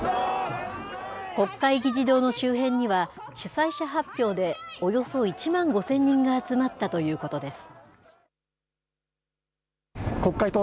国会議事堂の周辺には、主催者発表で、およそ１万５０００人が集まったということです。